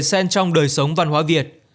sen trong đời sống văn hóa việt